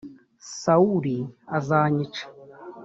sawuli azanyica .